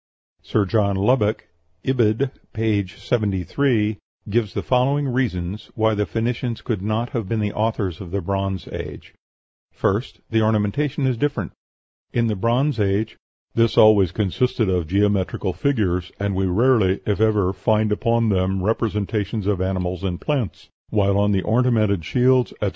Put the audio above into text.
Sir John Lubbock (Ibid., p. 73) gives the following reasons why the Phoenicians could not have been the authors of the Bronze Age: First, the ornamentation is different. In the Bronze Age "this always consists of geometrical figures, and we rarely, if ever, find upon them representations of animals and plants, while on the ornamented shields, etc.